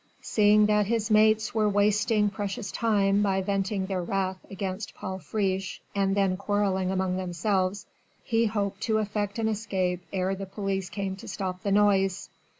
Seeing that his mates were wasting precious time by venting their wrath against Paul Friche and then quarrelling among themselves, he hoped to effect an escape ere the police came to stop the noise.